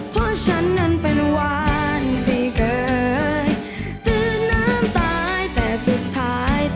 เพราะฉันนั้นเป็นวันที่เกิด